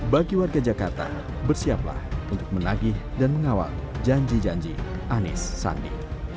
bagi warga jakarta bersiaplah untuk menagih dan mengawal janji janji anis sandi